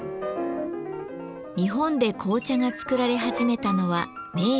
日本で紅茶が作られ始めたのは明治初期。